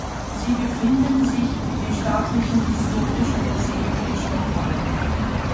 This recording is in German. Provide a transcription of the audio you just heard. Sie befinden sich im staatlichen historischen Museum in Stockholm.